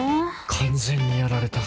完全にやられた。